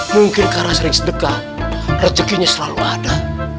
mungkin karena sering sedekah rezekinya selalu ada